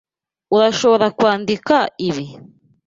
Urashobora kwandika ibi?